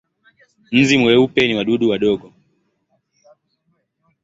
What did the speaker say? Nzi weupe ni wadudu wadogo.